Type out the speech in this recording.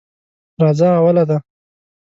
راځه اوله ده.